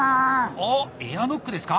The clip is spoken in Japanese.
おっエアノックですか？